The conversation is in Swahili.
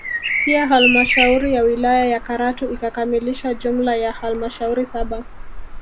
Pia halmashauri ya wilaya ya Karatu ikikamilisha jumla ya halmashauri saba